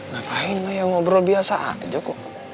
ngapain lah ya ngobrol biasa aja kok